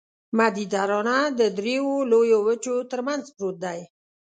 مدیترانه د دریو لویو وچو ترمنځ پروت دی.